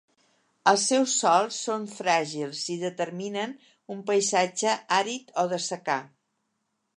Els seus sòls són fràgils i determinen un paisatge àrid o de secà.